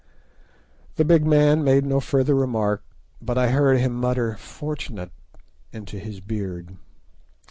The big man made no further remark, but I heard him mutter "fortunate" into his beard.